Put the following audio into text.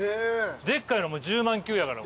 でっかいの１０万級やから。